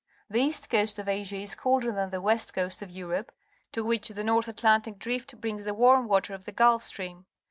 The east coast of Asia is colder than the west coast of Europe, to which the North Atlan tic Drift brings the warm water of the Gulf Stream.